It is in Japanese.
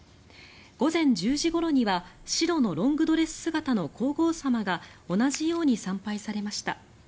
午前１０時ごろには白のロングドレス姿の皇后さまが同じように参拝されました。